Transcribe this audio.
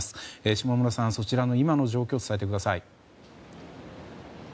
下村さん、そちらの今の様子を伝えてください。